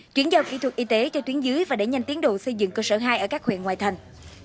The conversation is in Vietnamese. chuyển giao kỹ thuật y tế cho tuyến dưới và để nhanh tiến độ xây dựng cơ sở hai ở các huyện ngoại thành